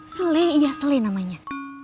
sele iya sele namanya